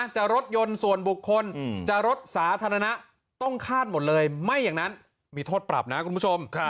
จะรถยนต์ส่วนบุคคลจะรถสาธารณะต้องคาดหมดเลยไม่อย่างนั้นมีโทษปรับนะคุณผู้ชม